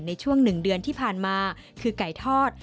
ในช่วง๑เดือนที่ผ่านมาคือไก่ทอด